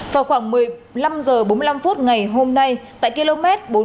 vào khoảng một giờ một người bị thương được đưa đi cấp cứu